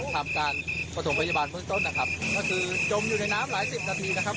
ทำการประถมพยาบาลเบื้องต้นนะครับก็คือจมอยู่ในน้ำหลายสิบนาทีนะครับ